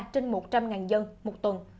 trên một trăm linh dân một tuần